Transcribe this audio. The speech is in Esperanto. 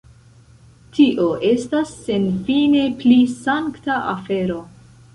Tio estas senfine pli sankta afero.